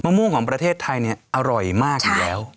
ม่วงของประเทศไทยเนี่ยอร่อยมากอยู่แล้ว